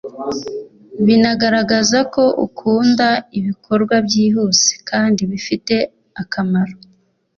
Binagaragaza ko ukunda ibikorwa byihuse kandi bifite akamaro